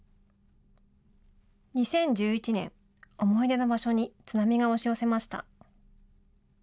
２０１１年、思い出の場所に津波が押し寄せました。